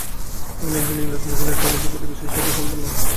ইনি একজন ইংরেজ মহিলা, স্বামীজীর প্রতি বিশেষ শ্রদ্ধাসম্পন্না।